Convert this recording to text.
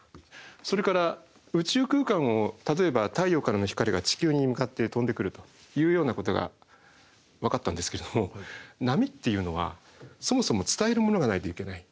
それから宇宙空間を例えば太陽からの光が地球に向かって飛んでくるというようなことがわかったんですけれども波っていうのはそもそも伝えるものがないといけない。